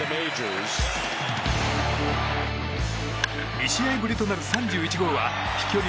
２試合ぶりとなる３１号は飛距離